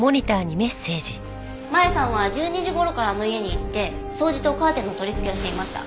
真弥さんは１２時頃からあの家に行って掃除とカーテンの取り付けをしていました。